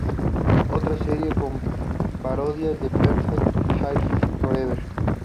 Otra serie con parodias es "Perfect Hair Forever".